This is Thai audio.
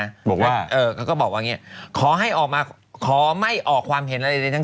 เหมือนกันนะบอกว่าเขาก็บอกว่าอย่างเงี้ยขอให้ออกมาขอไม่ออกความเห็นอะไรในทั้ง